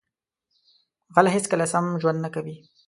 غل هیڅکله سم ژوند نه کوي